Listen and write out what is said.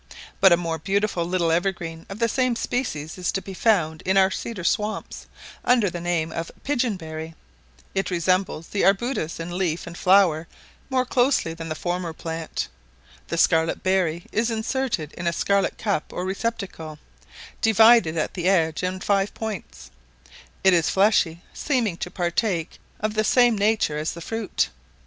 But a more beautiful little evergreen of the same species is to be found in our cedar swamps, under the name of pigeon berry; it resembles the arbutus in leaf and flower more closely than the former plant; the scarlet berry is inserted in a scarlet cup or receptacle, divided at the edge in five points; it is fleshy, seeming to partake of the same nature as the fruit.